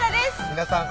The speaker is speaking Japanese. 皆さん